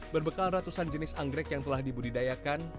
berbekal ratusan jenis anggrek yang telah dibudidayakan